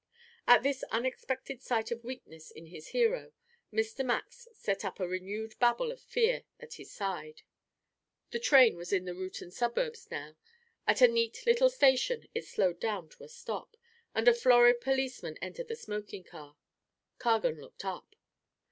At this unexpected sight of weakness in his hero, Mr. Max set up a renewed babble of fear at his side. The train was in the Reuton suburbs now. At a neat little station it slowed down to a stop, and a florid policeman entered the smoking car. Cargan looked up.